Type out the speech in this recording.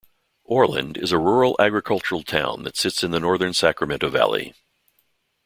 Orland is a rural agricultural town that sits in the northern Sacramento Valley.